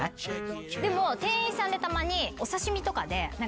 でも店員さんでたまに。